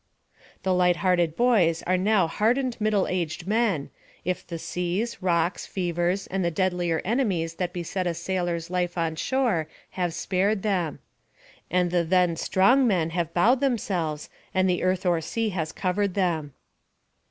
The light hearted boys are now hardened middle aged men, if the seas, rocks, fevers, and the deadlier enemies that beset a sailor's life on shore have spared them; and the then strong men have bowed themselves, and the earth or sea has covered them.